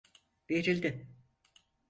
Verildi.